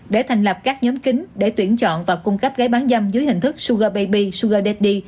để thành lập các nhóm kính để tuyển chọn và cung cấp gái bán dâm dưới hình thức sugar baby sugar daddy